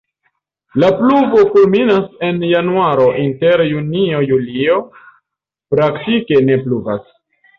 La pluvo kulminas en januaro, inter junio-julio praktike ne pluvas.